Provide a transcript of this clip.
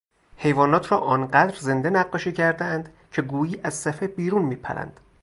حیوانات را آنقدر زنده نقاشی کردهاند که گویی از صفحه بیرون میپرند.